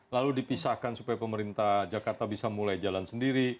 lalu dipisahkan supaya pemerintah jakarta bisa mulai jalan sendiri